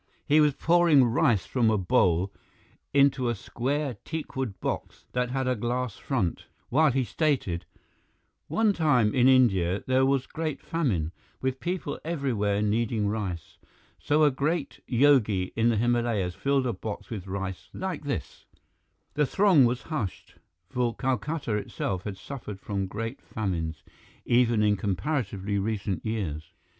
He was pouring rice from a bowl into a square teakwood box that had a glass front, while he stated: "One time, in India, there was great famine, with people everywhere needing rice. So a great yogi in the Himalayas fill a box with rice like this " The throng was hushed, for Calcutta itself had suffered from great famines, even in comparatively recent years.